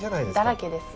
だらけです。